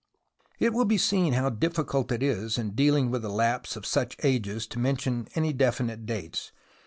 It will be seen how difficult it is in dealing with the lapse of such ages to mention any definite dates.